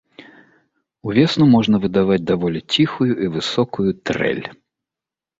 Увесну можа выдаваць даволі ціхую і высокую трэль.